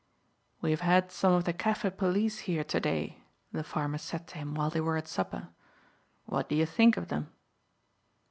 "We have had some of the Kaffir police here to day," the farmer said to him while they were at supper. "What do you think of them?"